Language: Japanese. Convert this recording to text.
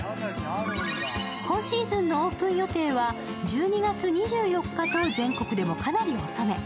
今シーズンのオープン予定は１２月２４日と全国でもかなり遅め。